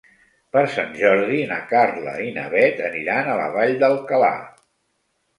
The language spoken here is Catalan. Per Sant Jordi na Carla i na Bet aniran a la Vall d'Alcalà.